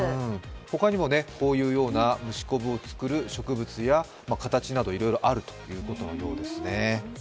他にもこういう虫こぶを作る植物や形などいろいろあるということのようですね。